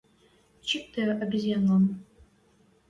«Чиктӹ обезьянлан